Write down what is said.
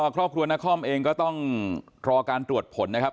ครอบครัวนครเองก็ต้องรอการตรวจผลนะครับ